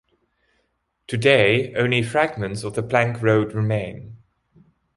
Today, only fragments of the Plank Road remain.